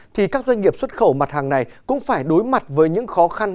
thì các doanh nghiệp xuất khẩu mặt hàng này cũng phải đối mặt với những khó khăn